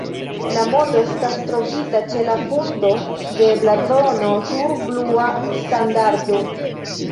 La moto estas trovita ĉe la fundo de la blazono sur blua standardo.